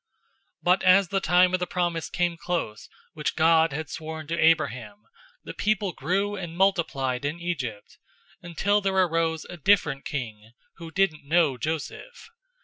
007:017 "But as the time of the promise came close which God had sworn to Abraham, the people grew and multiplied in Egypt, 007:018 until there arose a different king, who didn't know Joseph.